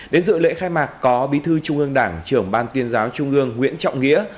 đến dự lễ khai mạc có bí thư trung ương đảng trưởng ban tuyên giáo trung ương nguyễn trọng nghĩa